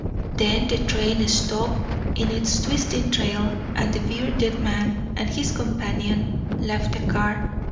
Then the train stopped in its twisting trail, and the bearded man and his companion left the car.